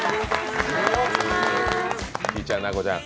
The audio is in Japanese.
ひぃちゃん、奈子ちゃん